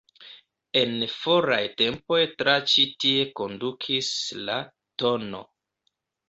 En foraj tempoj tra ĉi tie kondukis la tn.